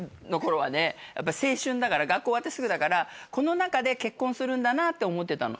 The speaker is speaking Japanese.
学校終わってすぐだからこの中で結婚するんだなって思ってたの。